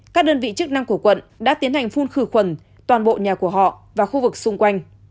các đơn vị chức năng của quận đã tiến hành phun khử khuẩn toàn bộ nhà của họ và khu vực xung quanh